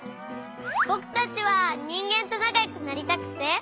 ぼくたちはにんげんとなかよくなりたくて。